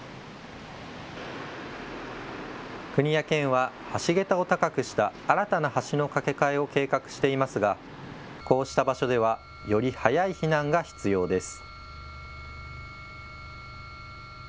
国や県は橋桁を高くした新たな橋の架け替えを計画していますがこうした場所ではより早い避難が必要です。